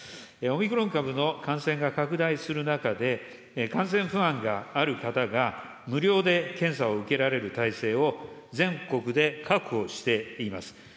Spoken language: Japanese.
オミクロン株の感染が拡大する中で、感染不安がある方が、無料で検査を受けられる体制を、全国で確保しています。